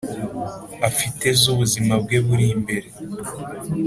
afite z’ubuzima bwe buri imbere